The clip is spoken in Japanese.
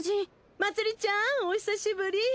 まつりちゃんお久しぶり。